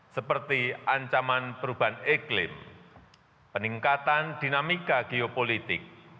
seperti ancaman perubahan iklim peningkatan dinamika geopolitik